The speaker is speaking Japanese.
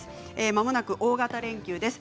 まもなく大型連休です。